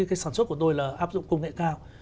cái sản xuất của tôi là áp dụng công nghệ cao